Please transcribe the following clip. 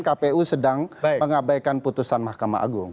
kpu sedang mengabaikan putusan mahkamah agung